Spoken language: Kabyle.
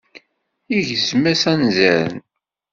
Igezm-as anzaren.